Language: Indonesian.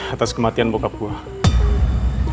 atas kematian bokap gue